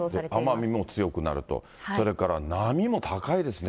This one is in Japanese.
奄美も強くなると、それから波も高いですね。